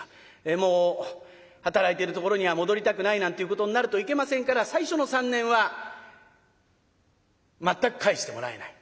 もう働いてるところには戻りたくないなんていうことになるといけませんから最初の３年は全く帰してもらえない。